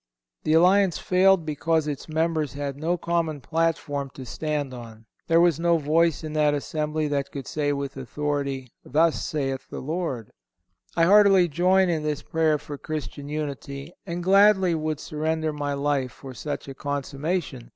The Alliance failed, because its members had no common platform to stand on. There was no voice in that assembly that could say with authority: "Thus saith the Lord." I heartily join in this prayer for Christian unity, and gladly would surrender my life for such a consummation.